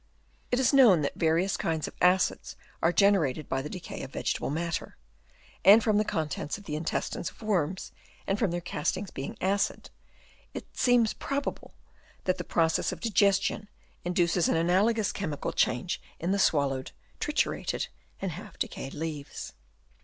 It is known that various kinds of acids are gene rated by the decay of vegetable matter ; and from the contents of the intestines of worms and from their castings being acid, it seems pro bable that the process of digestion induces an analogous chemical change in the swallowed, triturated, and half decayed leaves.